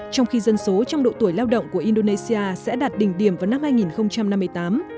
trong khi dân số trong độ tuổi lao động của indonesia sẽ đạt đỉnh điểm vào năm hai nghìn năm mươi tám